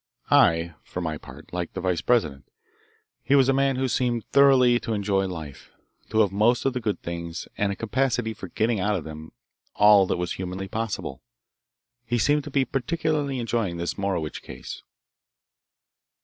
I, for my part, liked the vice president. He was a man who seemed thoroughly to enjoy life, to have most of the good things, and a capacity for getting out of them all that was humanly possible. He seemed to be particularly enjoying this Morowitch case.